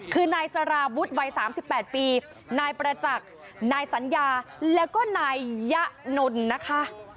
คือนายสาราวุฒิวัย๓๘ปีนายประจักษ์นายสัญญาแล้วก็นายยะนนนะคะ